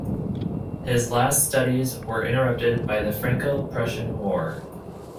His last studies were interrupted by the Franco-Prussian War.